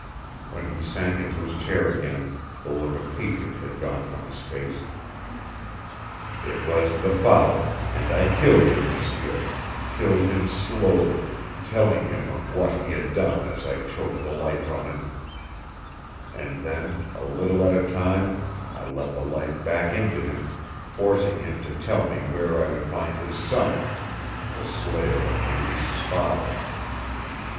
When he sank into his chair again the look of hatred had gone from his face. "It was the father, and I killed him, M'seur killed him slowly, telling him of what he had done as I choked the life from him; and then, a little at a time, I let the life back into him, forcing him to tell me where I would find his son, the slayer of Meleese's father.